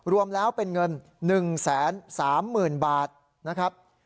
รวมแล้วเป็นเงิน๑๓๐๐๐บาทนะครับ